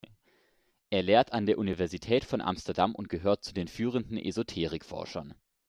Er lehrt an der Universität von Amsterdam und gehört zu den führenden Esoterik-Forschern.